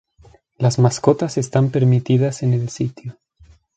Las mascotas están permitidas en el sitio.